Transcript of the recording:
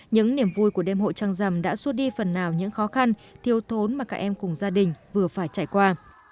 những niềm vui của đêm hội trăng rằm đã suốt đi phần nào những khó khăn thiêu thốn mà các em cùng gia đình vừa phải trải qua